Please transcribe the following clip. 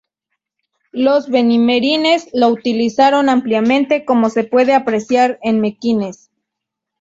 Los benimerines lo utilizaron ampliamente, como se puede apreciar en Mequinez.